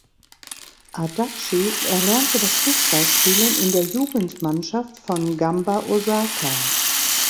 Adachi erlernte das Fußballspielen in der Jugendmannschaft von Gamba Osaka.